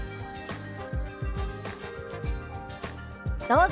どうぞ。